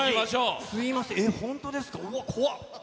すみません、本当ですか？